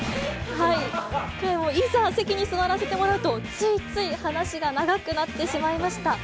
いざ席に座らせてもらうと、ついつい話が長くなってしまいました。